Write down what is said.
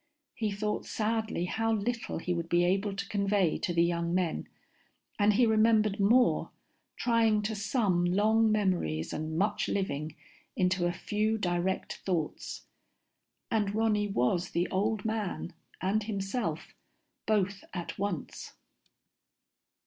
He thought sadly how little he would be able to convey to the young men, and he remembered more, trying to sum long memories and much living into a few direct thoughts. And Ronny was the old man and himself, both at once.